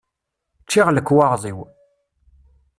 Ččiɣ lekwaɣeḍ-iw.